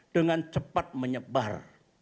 dengan cepat menyebar